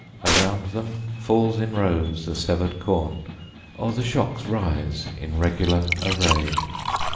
Around them falls in rows the sever'd corn, Or the shocks rise in regular array.